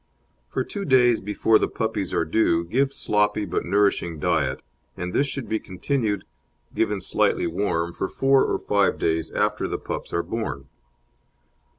For two days before the puppies are due give sloppy but nourishing diet, and this should be continued, given slightly warm, for four or five days after the pups are born.